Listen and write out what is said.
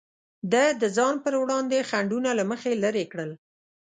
ده د ځان پر وړاندې خنډونه له مخې لرې کړل.